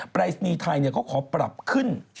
ปรายศนีย์ไทยเขาขอปรับขึ้น